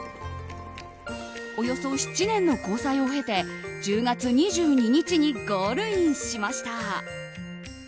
およそ７年の交際を経て１０月２２日にゴールインしました。